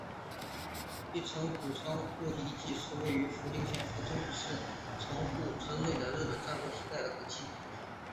一乘谷朝仓氏遗迹是位于福井县福井市城户之内町的日本战国时代的古迹。